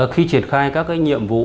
khi triển khai các nhiệm vụ